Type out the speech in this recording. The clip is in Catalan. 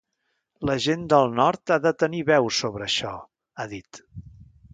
La gent del nord ha de tenir veu sobre això, ha dit.